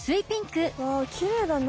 わあきれいだな。